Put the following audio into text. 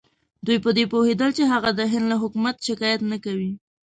دوی په دې پوهېدل چې هغه د هند له حکومت شکایت نه کاوه.